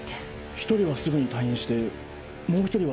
１人はすぐに退院してもう１人は。